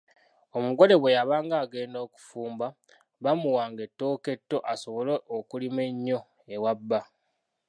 Omugole bwe yabanga aagenda okufumba bamuwanga ettooke etto asobole okulima ennyo ewa bba.